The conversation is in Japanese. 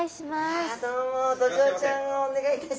ドジョウちゃんをお願いいたします